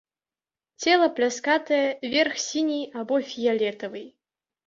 Цела пляскатае, верх сіні або фіялетавы.